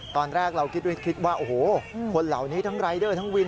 ตอนแรกเราคิดด้วยคลิปว่าโอ้โหคนเหล่านี้ทั้งรายเดอร์ทั้งวิน